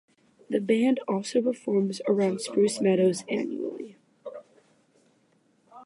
The band also performs around Spruce Meadows annually.